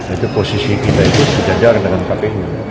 itu posisi kita itu sejajar dengan kpu